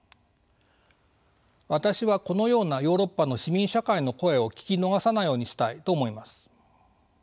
私はこのようなヨーロッパの市民社会の声を聞き逃さないようにしたいと思います。